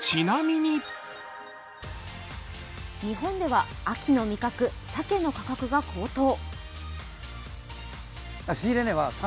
日本では秋の味覚、さけの価格が高騰。